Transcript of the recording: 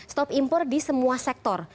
stop impor di semua sektor